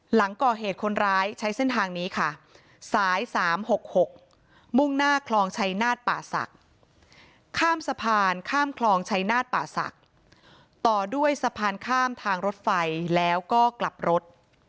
หลังก่อเหตุคนร้ายใช้เส้นทางนี้ค่ะสาย๓๖๖มุ่งหน้าคลองชัยนาฏป่าศักดิ์ข้ามสะพานข้ามคลองชัยนาฏป่าศักดิ์ต่อด้วยสะพานข้ามทางรถไฟแล้วก็กลับรถ